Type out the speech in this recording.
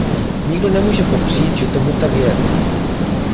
Nikdo nemůže popřít, že tomu tak je.